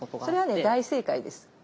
それはね大正解です。